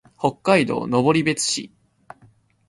北海道登別市